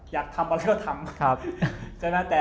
อยากทำก็เรียกว่าทำ